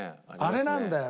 「あれなんだよ」